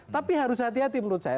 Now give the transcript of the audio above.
tapi harus hati hati menurut saya